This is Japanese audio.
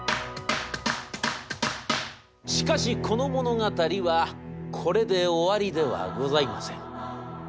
「しかしこの物語はこれで終わりではございません。